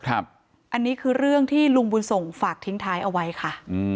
อันนี้คือเรื่องที่ลุงบุญส่งฝากทิ้งท้ายเอาไว้ค่ะ